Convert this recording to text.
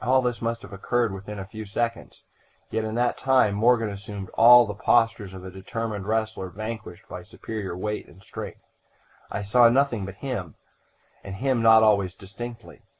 "All this must have occurred within a few seconds, yet in that time Morgan assumed all the postures of a determined wrestler vanquished by superior weight and strength. I saw nothing but him, and him not always distinctly.